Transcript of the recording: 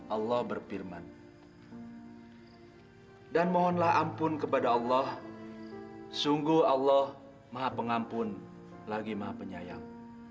allah berfirman dan mohonlah ampun kepada allah sungguh allah maha pengampun lagi maha penyayang